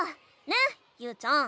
ねゆうちゃん。